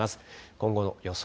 今後の予想